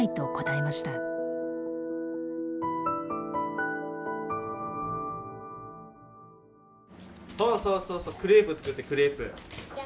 そうそうそうそうクレープ作ってクレープ。